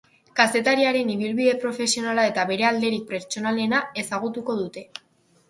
Kazetariaren ibilbide profesionala eta bere alderik pertsonalena ezagutuko dute.